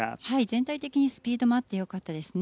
全体的にスピードもあって良かったです。